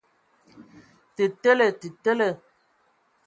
Tə tele! Te tele.